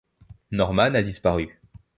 Norman a disparu.